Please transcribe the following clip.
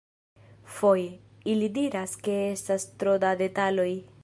Foje, ili diras ke estas tro da detaloj.